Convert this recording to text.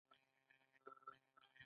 خواږه زیات خوړل صحت ته زیان لري.